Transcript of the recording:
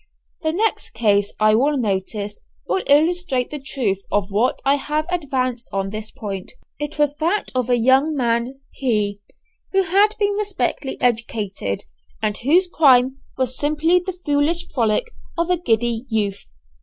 The next case I will notice will illustrate the truth of what I have advanced on this point. It was that of a young man, P , who had been respectably educated, and whose crime was simply the foolish frolic of a giddy youth.